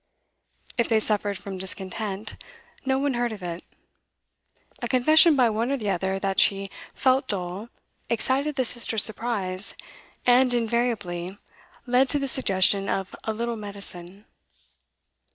If they suffered from discontent, no one heard of it; a confession by one or the other that she 'felt dull' excited the sister's surprise, and invariably led to the suggestion of 'a little medicine.